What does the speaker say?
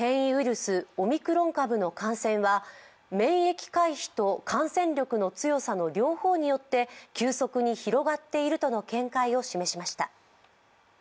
スオミクロン株の感染は免疫回避と感染力の強さの両方によって急速に広がっているとの見解を示しました。